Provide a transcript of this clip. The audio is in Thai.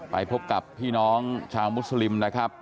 ไปพบกับพี่น้องชาวมุสลิมนะครับ